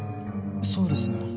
そうですね。